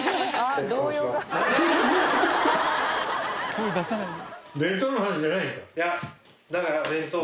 声出さないで。